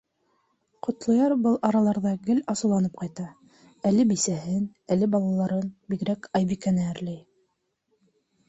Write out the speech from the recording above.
Ҡотлояр был араларҙа гел асыуланып ҡайта, әле бисәһен, әле балаларын, бигерәк Айбикәне әрләй.